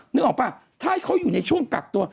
นึกออกป่ะถ้าเขาอยู่ในช่วงกักตัว